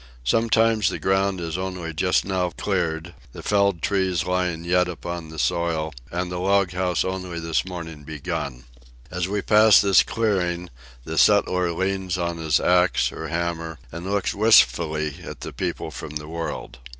Sometimes the ground is only just now cleared: the felled trees lying yet upon the soil: and the log house only this morning begun. As we pass this clearing, the settler leans upon his axe or hammer, and looks wistfully at the people from the world.